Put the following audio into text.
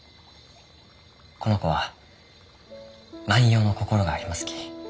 この子は万葉の心がありますき。